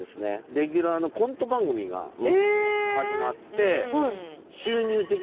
レギュラーのコント番組が始まって。